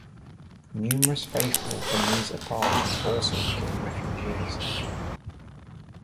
Numerous faithful from these eparchies also became refugees.